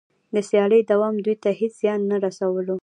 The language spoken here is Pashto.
د سیالۍ دوام دوی ته هېڅ زیان نه رسولو